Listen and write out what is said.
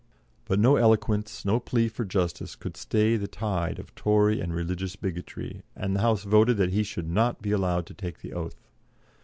But no eloquence, no plea for justice, could stay the tide of Tory and religious bigotry, and the House voted that he should not be allowed to take the oath.